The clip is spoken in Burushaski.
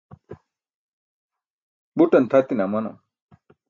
butan thatine amanam